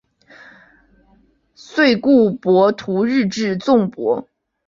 惟故博徒日至纵博。